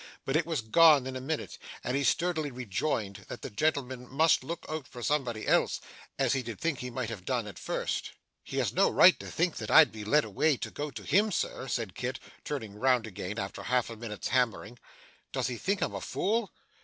But it was gone in a minute, and he sturdily rejoined that the gentleman must look out for somebody else, as he did think he might have done at first. 'He has no right to think that I'd be led away to go to him, sir,' said Kit, turning round again after half a minute's hammering. 'Does he think I'm a fool?